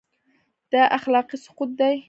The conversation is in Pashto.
دا اخلاقي سقوط دی.